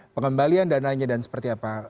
pengembalian dan lainnya dan seperti apa